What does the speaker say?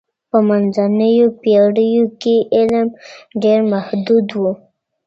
په منځنیو پېړیو کي علم ډېر محدود و.